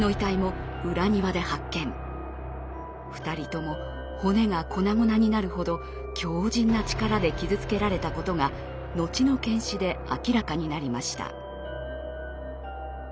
２人とも骨が粉々になるほど強靱な力で傷つけられたことが後の検視で明らかになりました。